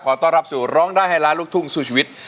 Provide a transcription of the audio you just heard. ต้อนรับสู่ร้องได้ให้ล้านลูกทุ่งสู้ชีวิต